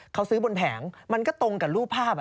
เขาซื้อบนแผงมันก็ตรงกับรูปภาพ